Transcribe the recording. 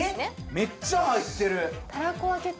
めっちゃ入ってる！